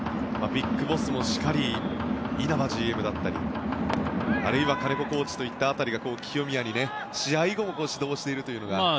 ＢＩＧＢＯＳＳもしかり稲葉ＧＭだったりあるいは金子コーチといった辺りが清宮に試合後を指導しているという。